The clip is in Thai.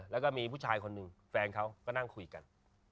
แล้วก็มีผู้ชายคนหนึ่งแฟนเขาก็นั่งคุยกัน